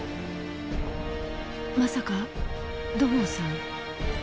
まさか土門さん。